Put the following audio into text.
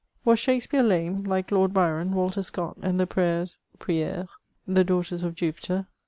Was Shakspeare lame, like Lord Byron, Walter Scott, and the Prayers (prieres), the daughters of Jupiter